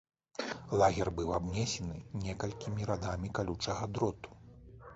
Лагер быў абнесены некалькімі радамі калючага дроту.